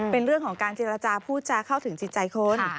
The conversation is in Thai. เป็นเรื่องของการเจรจาพูดจะเข้าถึงจิตใจคน